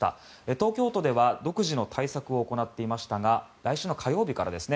東京都では独自の対策を行っていましたが来週火曜日からですね